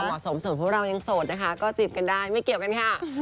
เหมาะสมส่วนพวกเรายังโสดนะคะก็จีบกันได้ไม่เกี่ยวกันค่ะ